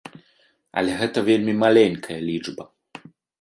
Але гэта вельмі маленькая лічба.